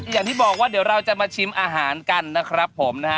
อย่างที่บอกว่าเดี๋ยวเราจะมาชิมอาหารกันนะครับผมนะฮะ